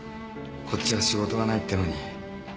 こっちは仕事がないってのに。